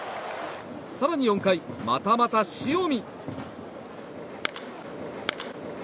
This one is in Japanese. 更に４回、またまた塩見。